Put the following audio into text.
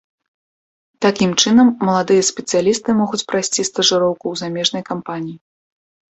Такім чынам, маладыя спецыялісты могуць прайсці стажыроўку ў замежнай кампаніі.